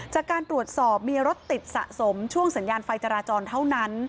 จากการตรวจสอบมีรถติดสะสมช่วงสัญญาณไฟจราจรเท่านั้น